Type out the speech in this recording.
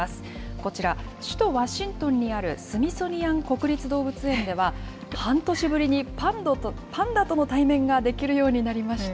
こちら、首都ワシントンにあるスミソニアン国立動物園では、半年ぶりにパンダとの対面ができるようになりました。